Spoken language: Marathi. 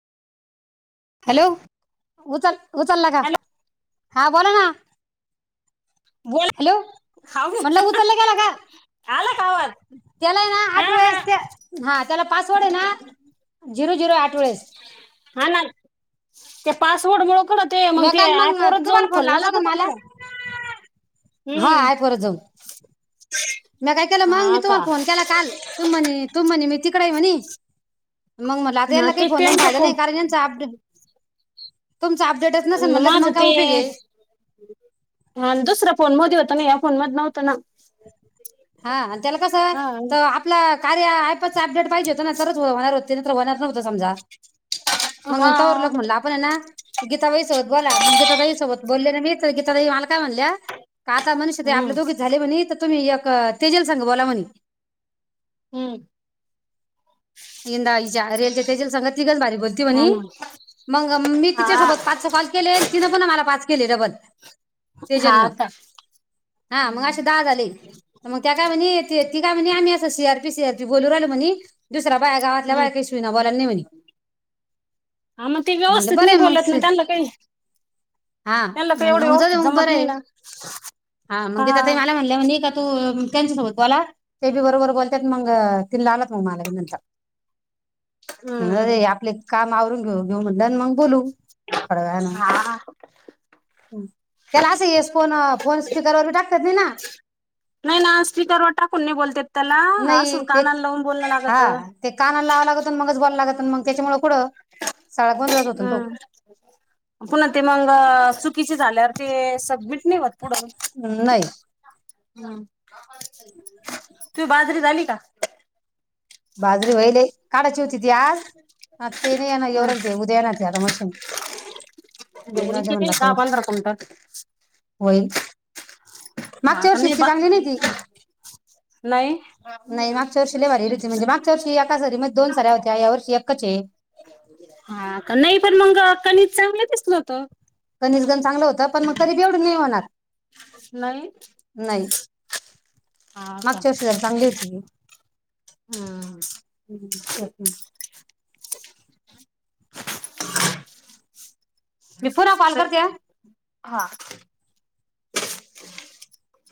हॅलो. उचल उचल ना ग. हॅलो हा बोला ना. बोला हॅलो हाव म्हटलं उचललं गेला का. आला का आवाज. त्यालायेना हा आठ हा वेळेस बंद करा ह त्याला पासवर्ड हे ना झिरो झि झिरो आठ वेळेस. हा ना ते पासवर्ड मुळ ते मग मी ते काल ऍप वरच तुम्हाला जाऊन फोन खोलणं लावचा होता लागत ना मला हा हम्म परत जाऊन मी काय केलं मग मी हा का तुम्हाला फोन केला काल तु म्ह तु म्हणे मी तिकडे ये म्हणी मग मला आता हा याना काही ते फोन लावून त्यांचा फायदा नाही कारण यांचा तुमचा अपडेटच नसेल म्हटलं तर माझं मग काय ते उपयोग आहे ह दुसरा फोन मोदी होता ना या फोन मध नव्हत ना. हा त्याला कसं हा त आपला कार्या ॲप अडेट पाहिज हो ना तरच होणार होत. ते तर होणार न्हवत समजा. हा मगता उरलक म्हणलं आपण ना गीताबाई सोबत बोला मग गीताताई सोबत बोलले ना मी त [unintelligible] काय म्हणल्या का आता मनीषाताई आपले हम्म दोघीच झाले म्हणी त तुम्ही एक क तेजल संग बोला म्हणी हम्म. इंदाईच्या रेलच्या तेजल संग ती गंज भारी बोलती हा म्हणी ना मग मी हा तिच्या सोबत पाच कॉल केले तिनं पुन्हा मला पाच केले डबल हा तेजलन का हा हम्म मग असे दहा झाले मग त्या काय म्हणी ती काय म्हणी आम्ही अस C R P C R P बोलू राहिलो म्हणी दुसऱ्या बाया गावातल्या हम्म बाया कही सुईन बोलाना नाही म्हणी हा मग ते म्हणलं व्यवस्थित नाही बर मग बोलत ना त्यांना काही हा त्यांना काही म्हणलं एवढं मग व्यवस्थित जाऊद्या मग जमत बरं नाही ये ना हा मग गीता ताई मला म्हणल्या म्हणी का तो ये त्यांच्यासोबत बोला ते बी बरोबर बोलत्यात मग तिनला आणला होता मग मला [unintelligible] हम्म बरे आपले काम आवरून घेऊ. घेऊ म्हणलं मग बोलू थोड्या वेळानं हा त्याला असं येस फोन फोन स्पीकवर बी टाकतात येत नाही ना नाही ना स्वीकारवर टाकून नाही बोलत येत त्याला असं नाही ते कानाला लावून बोलणं लागत हा ते काना लावं लागत मगच बोलावा लागत मग त्याच्यामुळे कुड सगळा गोंधळ हम्म पुन्हा ते मंग चुकीचे झाल्यावर ते सबमिट नाही होत पुढ तो नाही [unintelligible] हम्म तू ही बाजरी झाली का? बाजरी व्हयले काढायची होती ती आज ते नाही येणार येऊ राहिले ते उद्या येणार ये ते मशीन जाऊ द्या म्हणल आता दहा पंधरा क्विंटल होईल. हा मागच्या का वर्षी नाही इतकी बा चांगली नाही ती नाही नाही मागच्या वर्षी लय भारी येईल होती. मागच्या वर्षी एका सरी मध्ये दोन साऱ्या होत्या यावर्षी वर्षी एकाच हा का नाही पण मग कनिक चांगलं दिसल होत. कनिज गंज चांगलं होत पण मग तरी मी एवढी नाही होणार नाही नाही हा का मागच्या वर्षी जरा चांगली होती. हम्म हम्म तेच ना [unintelligible] मी पुन्हा कॉल करते हा. [unintelligible] हा